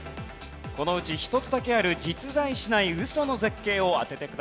このうち１つだけある実在しないウソの絶景を当ててください。